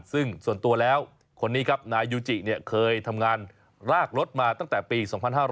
ซึ่งส่วนตัวแล้วคนนี้ครับนายยูจิเคยทำงานรากรถมาตั้งแต่ปี๒๕๕๙